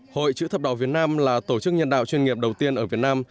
hội chữ thập đỏ việt nam là tổ chức nhân đạo chuyên nghiệp đầu tiên ở việt nam